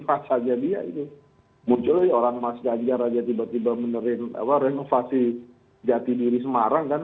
munculnya orang mas jajar aja tiba tiba menerima renovasi jati diri semarang kan